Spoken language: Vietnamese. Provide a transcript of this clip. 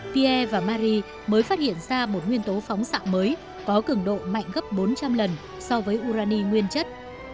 pierre và mari mới phát hiện ra một nguyên tố phóng xạ mới có cường độ mạnh gấp bốn trăm linh lần so với urani nguyên chất